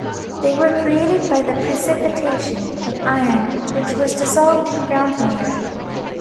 They were created by the precipitation of iron, which was dissolved in groundwater.